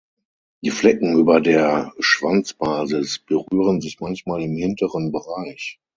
Die Flecken über der Schwanzbasis berühren sich manchmal im hinteren Bereich.